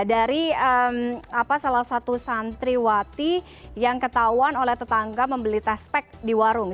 dari salah satu santriwati yang ketahuan oleh tetangga membeli tes pek di warung